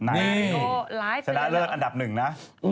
นี่ชนะเลิศอันดับ๑นะ